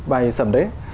bài sầm đấy